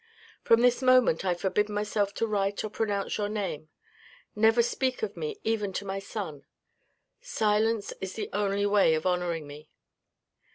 From this moment I forbid myself to write or pronounce your name. Never speak of me even to my son ; silence is the only way of honouring me.